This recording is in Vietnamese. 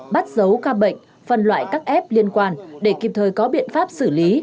bắt giấu ca bệnh phân loại các ép liên quan để kịp thời có biện pháp xử lý